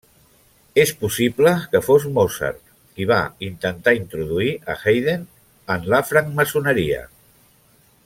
És possible que fos Mozart qui va intentar introduir a Haydn en la francmaçoneria.